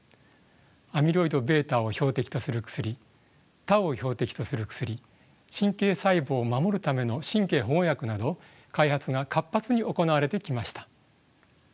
アミロイドβを標的とする薬タウを標的とする薬神経細胞を守るための神経保護薬など開発が活発に行われてきました。